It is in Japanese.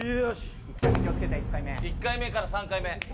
１回目から３回目。